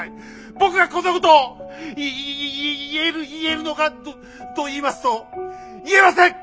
僕がこんなこといい言える言えるのかといいますと言えません！